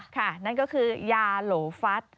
ค่ะนั่นก็คือยาโหฟัต